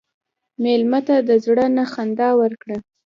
مېلمه ته د زړه نه خندا ورکړه.